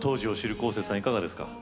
こうせつさんいかがですか？